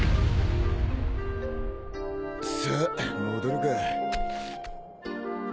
さあ戻るか。